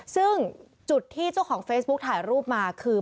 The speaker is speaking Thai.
ซึ่งจุดที่เจ้าของเฟซบุ๊กถ่ายรูปมาคือ